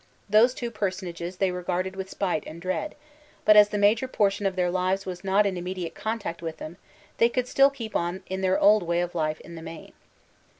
Those two personages they re garded with spite and dread ; but as the major portion of their lives was not in immediate contact with them» they could still keep on in their old way of life in the main.